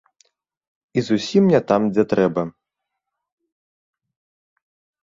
І зусім не там, дзе трэба.